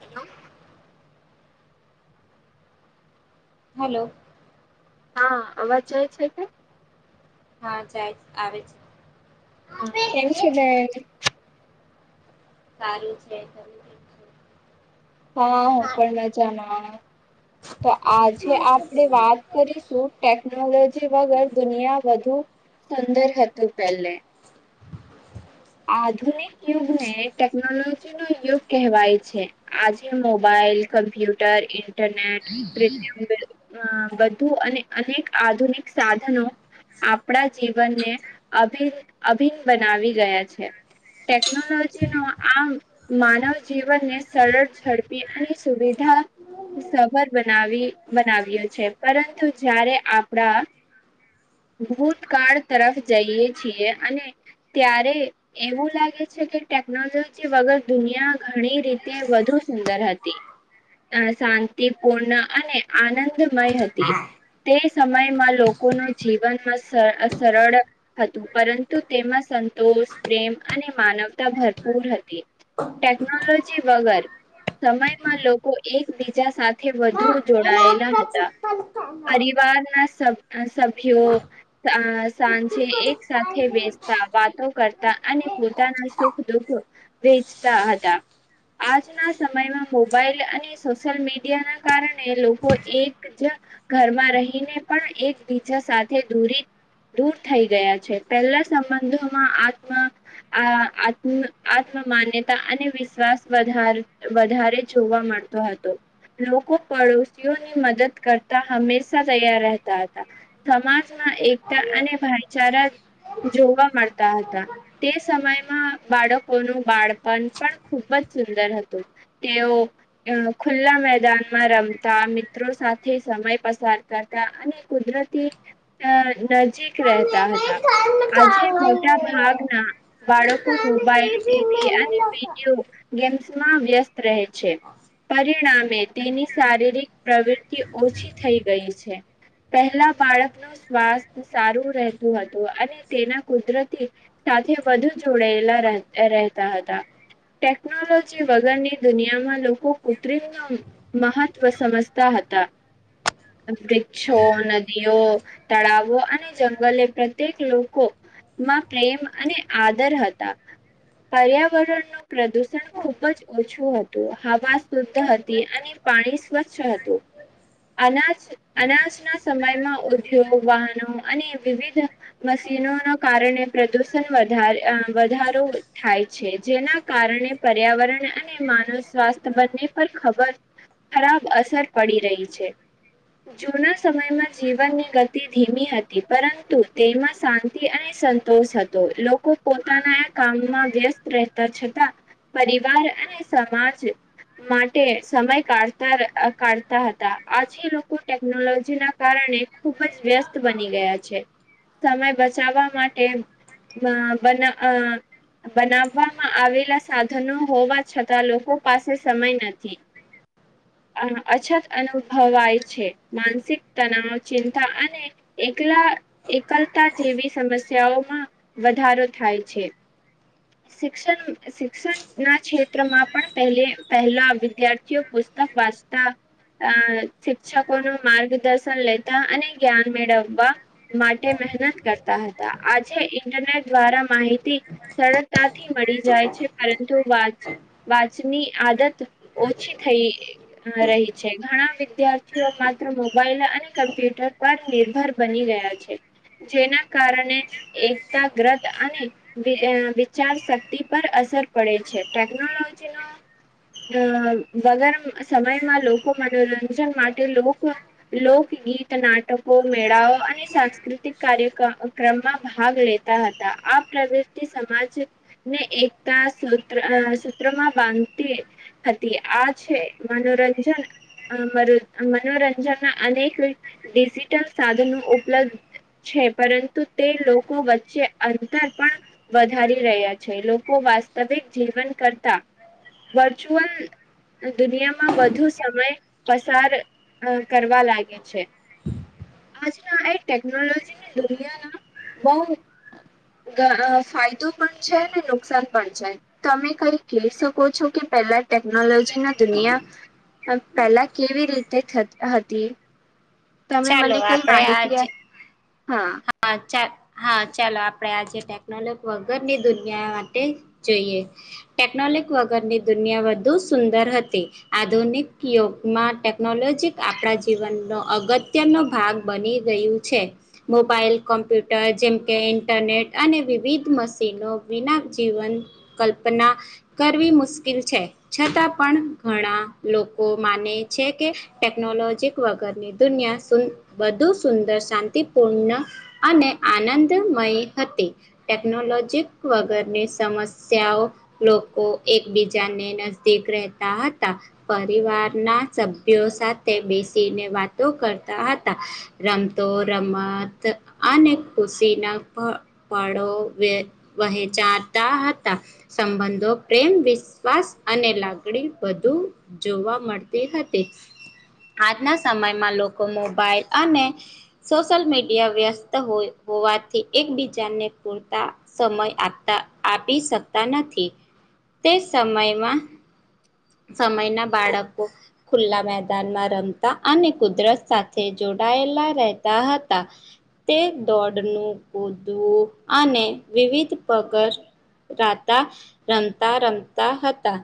Hello hello હા આવાજ જાય છે, કે હા જાય આવે છે. હા કેમશડ સારુ છે, સ હા હું પણ મજામાં તો આજે આપડે વાત કરીશુ ટેકનોલોજી વગર દુનિયા વધુ સુંદર હતુ, પહેલે આધુનિક યુગને ટેકનોલોજી નો યુગ કહેવાય છે. આજે મોબાઈલ કમ્પ્યુટર ઇન્ટરનેટ કૃત્રિમ અ બું અને અનેક આધુનિક સાધનો આપણા જીવનને અભિન-અભિન્ન બનાવી ગયા છે. ટેકનોલોજી નો આમ માનવ જીવનને સરળ, ઝડપી અને સુવિધા સભર બનાવી બનાવ્યો છે. પરંતુ જ્યારે આપણા ભૂતકાળ તરફ જઈએ છીએ અને ત્યારે એવું લાગે છે કે ટેકનોલોજી વગર દુનિયા ઘણી રીતે વધુ સુંદર હતી. અ શાંતિ પૂર્ણ અને આનંદમય હતી. તે સમયમાં લોકોનું જીવનમાં સર સરળ હતું. પરંતુ તેમાં સંતોષ પ્રેમ અને માનવતા ભરપૂર હતી. ટેકનોલો જી વગર સમયમાં લોકો એકબીજા સા વધુ જોડાયેલા હતા. પરિવારના સૌથી સભ્યો સં સાંજે એક સાથે બેસતા વાતો કરતા. અને પોતાના સુખ- દુખ વેચતા હતા. આજના સમયમાં મોબાઈલ અને સોશિયલ મીડિયા ના કારણે લોકો એક કે જ્યાં ઘરમાં રહીને પણ એકબીજા સાથે દૂરી દૂર થઈ ગયા છે. પહેલા સંબંધોમાં આત્મા આ આત્મ આત્મમાન્યતા અને વિશ્વાસ વધાર વધારે જોવા મળ તો હતો. લોકો પડોશીઓની મદદ કરતા હંમેશા તૈયાર રહેતા હતા. સમાજમાં એકતા અને ભાઈચારા જોવા મળતા હતા. તે સમયમાં બાળકોનું બાળપણ પણ ખુબ જ સુંદર હતું. તેઓ અ ખુલ્લા મેદાનમાં રમતા. મિત્રો સાથે સમય પસાર કર તા અને કુદરતી અ નજીક રહેતા હતા. આજે મોટા ભાગ ના બાળકો મોબાઈલ ટીવી અને વિડીયો ગેમ્સમાં વ્યસ્ત રહે છે. પરિણામે તેની શારીરિક પ્રવૃતિ ઓછી થઈ ગઈ છે. પહેલા બાળકનું સ્વાસ્થ સારું રહેતું હતું અને તેના કુદરતી સાથે વધુ જોડાયેલા રહેતા હતા. ટેકનોલોજી વગરની દુનિયામાં લોકો કૃત્રિમનો મહત્વ સમજતા હતા. વૃક્ષો, નદીઓ તળાવો અને જંગલે પ્રત્યેક લોકો માં પ્રેમ અને આદર હતા. પર્યાવરણનું પ્રદુષણ ખુબ જ ઓછું હતું. હવા સ શુદધ હતી, અને પાણી સ્વચ્છ હતું. અનાજ અનાજના સમયમાં ઉદ્યોગ વાહનો અને વિવિધ મશીનો ના કારણે પ્રદુષણ વધારે અ વધારો થાય છે. જેના કારણે પર્યાવરણ અને માનવ સ્વાસ્થ બંને પર ખબ ખરાબ અસર પડી રહી છે. જૂના સમયમાં જીવનની ગતિ ધીમી હતી. પરંતુ તેમાં શાંતિ અને સન તોસ હતો. લોકો પોતાના કામમાં વ્યસ્ત રહેતા છતાં પરિવાર અને સમાજ માટે સમય કાઢતા અ કાઢતા હતા આજે લોકો ટેકનોલોજીના કારણે ખુબ જ વ્યસ્ત બની ગયા છે. સમય બચાવવા માટ ટેમ બ બના અ બનાવવામાં આવેલા સાધનો હોવા છતાં લોકો પાસે સમય નથી. અછત અનુભવાય છે. માનસિક તનાવ ચિંતા અને એકલા એકલતા જેવી સમસ્ ઓમાં વધારો થાય છે શિક્ષણ શિક્ષણ ના ક્ષેત્રમાં પણ પહે પહેલા વિદ્યાર્થીઓ પુસ્તક વાંચતા અ શિક્ષકો નું માર્ગદર્શન લેતા અને જ્ઞાન મેળવવા માટે મહેનત કરતા હતા આજે ઇન્ટરનેટ દ્વારા માહિતી સરળતા થી મળી જાય છે પરંતુ વાચ વાંચની આદત ઓછી થઈ અ રહી છે ઘણા વિદ્યાર્થી વિધાઓ માત્ર મોબાઈલ અને કમ્પ્યુટર પર નિર્ભર બની રહ્યા છે જેના કારણે એકતા ગ્રત અને વિહાર વિચાર શક્તિ પર અસર પડે છે ટેકનોલોજીનો અ વગર સમયમાં લોકો મનોરંજન માટે લોક લોકગીત નાટકો મેળાઓ અને સાંસ્કૃતિક કાર્યક્રમ ક્રમમાં ભાગ લેતા હતા આ પ્રવૃતિ સમાજ ને એકતા સૂત્ર સૂત્રમાં બાંધતી હતી આ છે મનોરંજન અ મરો મનોરંજનના અનેક ડિજિટલ સાધનો ઉપલબ્ધ છે પરંતુ તે લોકો વચ્ચે અંતર પણ વધારી રહ્યા છે લોકો વાસ્તવિક જીવન કરતા વર્ચ્યુઅલ દુનિયામાં વધુ સમય પસાર અ કરવા લાગે છે. આજના એ ટેકનોલોજીની દુનિયાના બહુ ગહ ફાયદો પણ છે ને નુકસાન પણ છે. તમે કઈ કેય શકો છો કે પેલા ટેકનોલોજી ના દુનિયા પહેલા કેવી રીતે હતી. તમે ચાલો મને કઈ આપણેે આજ માહિતી આપ હા. હા ચા હા ચાલો આપણે આજે ટેકનોલો વગરની દુનિયા માટે જોઈએ ટેકનોલીક વગરની દુનિયા વધુ સુંદર હતી. આધુનિક યુગમાં ટેકનોલોજી આપણા જીવનનો અગત્યનો ભાગ બની ગયું છે. મોબાઈલ કોમ્પ્યુટર જેમ કે ઇન્ટરનેટ અને વિવિધ મશીનો વિના જીવન કલ્પના કરવી મુશ્કેલ છે છતાં પણ ઘણા લોકો માને છે કે ટેકનોલોજીક વગરની દુનિયા સુદ વધુ સુંદર શાંત તી પૂર્ણ અને આનંદમય હતી. ટેકનોલોજીક વગરની સમસ્યાઓ લોકો એકબીજાને નજદીક રહેતા હતા. પરિવારના સભ્યો સાથે બેસીને વાતો કરતા હતા. રમતો રમત અને ખુશીના પ પળો વે વહેચાતા હતા. સંબંધો પ્રેમ વિશ્વાસ અને લાગણી બધું જોવા મળતી હતી આજના સમયમાં લોકો મોબાઈલ અને સોશિયલ મીડિયા વ્યસ્ત હોવાથી એકબીજાને પૂરતા સમય આપતા આપી શકતા નથી તે સમયમાં સમયના બાળકો ખુલ્લા મેદાનમાં રમતા અને કુદરત સાથે જોડાયેલા રહે તા હતા. તે દોડનું કૂદવું અને વિવિધ પગર રાતા રમતા રમતા હતા.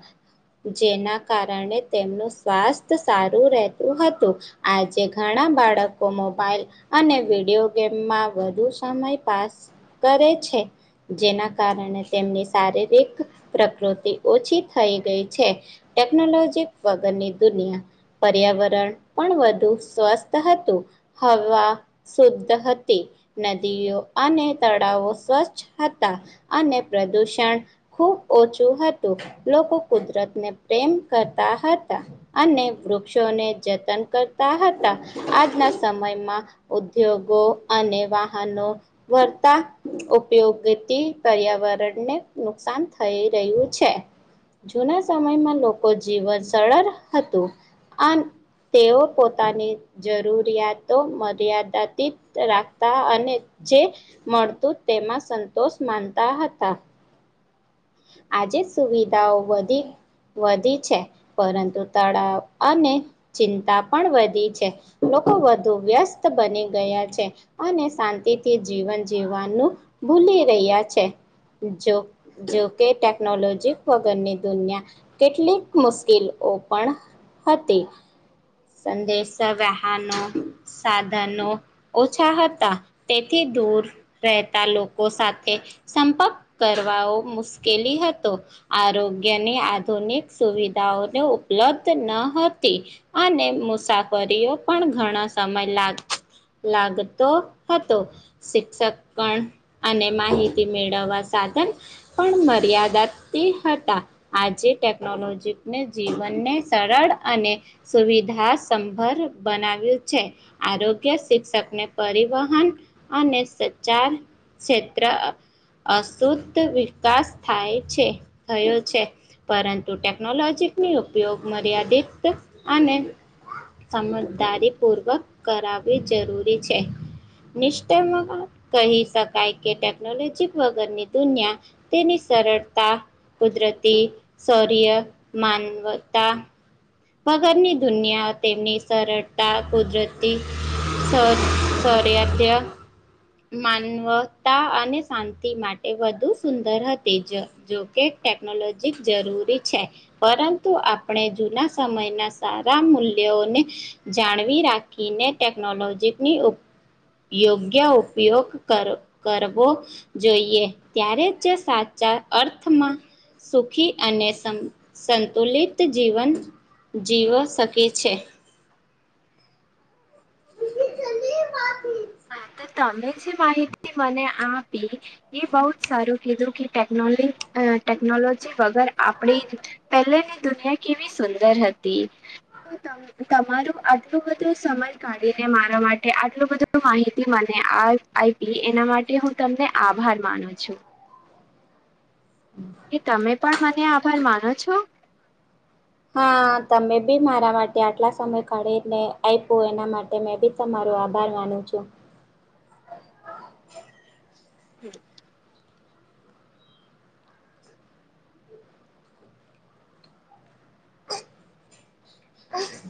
જેના કારણે તેમનું સ્વાસ્થ્ય સારું રહેતું હતું. આજે ઘણા બાળકો મોબાઈલ અને વિડિયો ગેમમાં વધુ સમય પાસ કરે છે. જેના કારણે તેમની શારીરિક પ્રકૃતિ ઓછી થઈ ગઈ છે. ટેકનોલોજી વગરની દુનિયા પર્યાવરણ પણ વધુ સ્વસ્થ હતું હવા શુદ્ધ હતી. નદીઓ અને તળાવો સ્વચ્છ હતા અને પ્રદૂષણ ખૂબ ઓછું હતું લોકો કુદરત ને પ્રેમ કરતા હતા. અને વૃક્ષોને જતન કરતા હતા આજના સમયમાં ઉદ્યોગો અને વાહનો વર્તા ઉપયોગથી પર્યાવરણને નુકસાન થઈ રહ્યું છે. જૂના સમયમાં લોકો જીવન સરળ હતું. અન તેઓ પોતાની જરૂરિયાતો મ મર્યાદાતતી રાખતા અને જે મળતું તેમાં સંતોષ માનતા હતા. આજે સુવિધાઓ વધી વધી છે પરંતુ તળાવ અને ચિંતા પણ વધી છે લોકો વધુ વ્યસ્ત બની ગયા છે. અને શાંતિથી જીવન જીવવાનું ભૂલી રહ્યા છે જો જોકે ટેકનોલોજી વગરની દુનિયા કેટલીક મુશ્કેલ ઓ પણ હતી સંદેશા વાહનો સાધનો ઓછા હતા તેથી દૂર રહેતા લોકો સાથે સંપર્ક કરવાઓ મુશ્કેલી હતો. આરોગ્યની આધુનિક સુવિધાઓને ઉપલબ્ધ ન હતી. અને મુસાફરીઓ પણ ઘણા સમય લાગ લાગતો હતો. શિક્ષક ઘણ અને માહિતી મેળવવા સાધન પણ મર્યાદા તી હતા. આજે ટેકનોલોજીને જીવનને સરળ અને સુવિધા સંભર બનાવ્યું છે. આરોગ્ય શિક્ષકને પરિવહન અને સચાર ક્ષેત્ર અશુદ્ધ વિકાસ થાય છે થયો છે. પરંતુ ટેકનોલોજીની ઉપયોગ મર્યાદિત અને સમજદારી પૂર્વક કરાવવી જરૂરી છે. નિશ્ચય કહી શકાય કે ટેકનોલોજી વગર ની દુનિયા તેની સરળતા, કુદરતી, શૌર્ય, માનવતા વગરની દુનિયા તેમની સરળતા કુદરતી શો શૌર્ય ત્ય માનવતા અને શાંતિ માટે વધુ સુંદર હતી જ જોકે ટેકનોલોજી જરૂરી છે પરંતુ આપણે જુના સમયના સારા મૂલ્યોને જાળવી રાખીને ટેકનોલોજીની યોગ્ય ઉપયોગ કર કરવો જોઈએ ત્યારે જે સાચા અર્થમાં સુખી અને સં સંતુલિત જીવન જીવો શકે છે. [inaudible] હા તો તમે જે માહિતી મને આપી એ બહુ જ સારું કીધું કે ટેકનો ટેકનોલોજી વગર આપડી જ પહેલેની દુનિયા કેવી સુંદર હતી. તમ તમારું આટલું બધો સમય કાઢીને મારા માટે આટલું બધું નુ માહિતી મને એના માટે હું તમને આભાર માનું છું. [inaudible] કે તમે પણ મને આભાર માનો છો? હા તમે બી મારા માટે આટલા સમય કાઢીને આપ્યું એના માટે તમે બી તમારો આભાર માનું છું. હમ્મ. [inaudible]